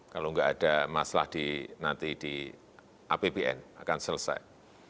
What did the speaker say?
kalau nggak ada masalah nanti di apbn akan selesai